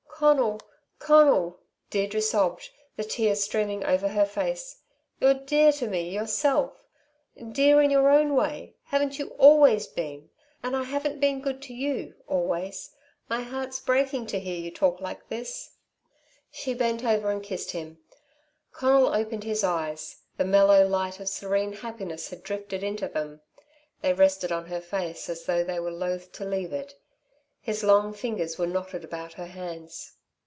"Conal, Conal," Deirdre sobbed, the tears streaming over her face. "You're dear to me, yourself dear in your own way. Haven't you always been and I haven't been good to you always. My heart's breaking to hear you talk like this." She bent over and kissed him. Conal opened his eyes. The mellow light of serene happiness had drifted into them. They rested on her face as though they were loath to leave it. His long fingers were knotted about her hands.